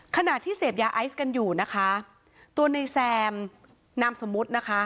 ขณะที่เสพยาไอซ์กันอยู่นะคะตัวในแซมนามสมมุตินะคะ